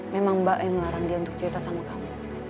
memang mbak yang melarang dia untuk cerita sama kamu